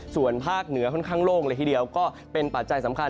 ส่วนภาคเหนือค่อนข้างโล่งเลยทีเดียวก็เป็นปัจจัยสำคัญ